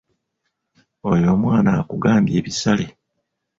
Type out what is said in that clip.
Oyo omwana akugambye ebisale.